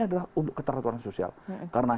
adalah untuk keteraturan sosial karena